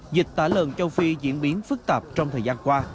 dịch tả lợn châu phi diễn biến phức tạp trong thời gian qua